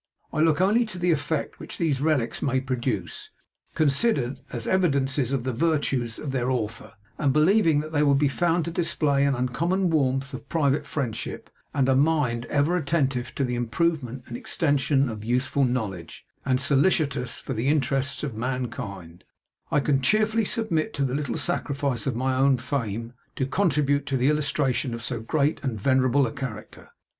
I look only to the effect which these relicks may produce, considered as evidences of the virtues of their authour: and believing that they will be found to display an uncommon warmth of private friendship, and a mind ever attentive to the improvement and extension of useful knowledge, and solicitous for the interests of mankind, I can cheerfully submit to the little sacrifice of my own fame, to contribute to the illustration of so great and venerable a character.